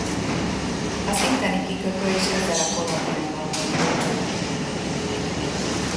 Az itteni kikötő is ezzel a kolóniával volt kapcsolatban.